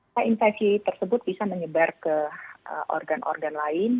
nah infeksi tersebut bisa menyebar ke organ organ lain